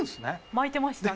巻いてましたね。